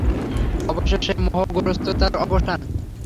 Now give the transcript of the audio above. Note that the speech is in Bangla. অবশেষে মোহগ্রস্ততার অবসান।